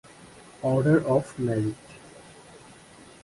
order of merit